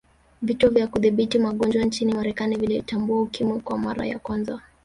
vituo vya Kudhibiti magonjwa nchini marekani vilitambua ukimwi kwa mara ya kwanza